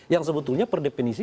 yang sebetulnya per definisi